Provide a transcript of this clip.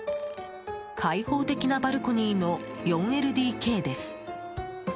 「開放的なバルコニー」の「４ＬＤＫ」です。